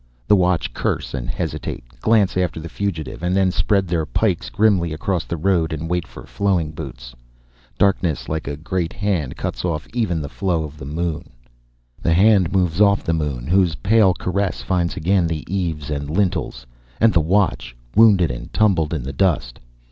The watch curse and hesitate, glance after the fugitive, and then spread their pikes grimly across the road and wait for Flowing Boots. Darkness, like a great hand, cuts off the even flow the moon. The hand moves off the moon whose pale caress finds again the eaves and lintels, and the watch, wounded and tumbled in the dust.